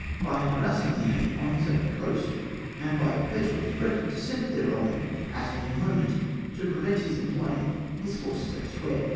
by harassing the enemy on his own coast, and by a perpetual threat of a descent thereon at any moment, to prevent his employing his forces elsewhere.